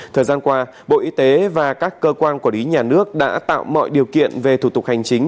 thời gian qua bộ y tế và các cơ quan quản lý nhà nước đã tạo mọi điều kiện về thủ tục hành chính